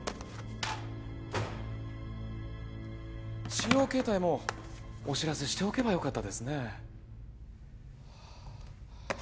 私用携帯もお知らせしておけばよかったですね